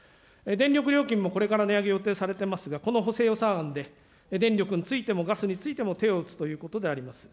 電力料金もこれから値上げを予定されていますが、この補正予算案で電力についてもガスについても手を打つということであります。